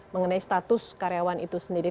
mengenai status karyawan itu sendiri